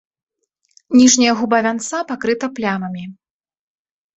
Ніжняя губа вянца пакрыта плямамі.